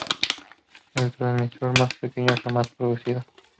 Es el transistor más pequeño jamás producido.